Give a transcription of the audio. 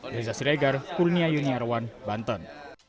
dari zasir egar kurnia yuni arwan banten